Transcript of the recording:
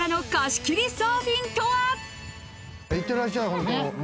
⁉いってらっしゃいホント。